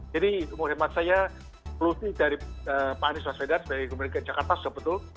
jadi umur khidmat saya peluti dari pak anies swastik vedas dari kementerian jakarta sudah betul